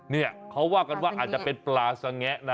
เนี่ยเขาว่ากันว่าอาจจะเป็นปลาสแงะนะ